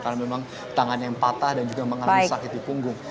karena dia memang memiliki kemampuan yang patah dan juga mengalami sakit di punggung